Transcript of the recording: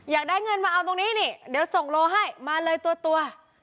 อยากได้เงินมาเอาตรงนี้นี่เดี๋ยวส่งโลให้มาเลยตัว